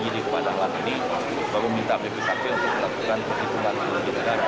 jadi pada hari ini baru minta bpkp untuk melakukan pertimbangan penyelidikan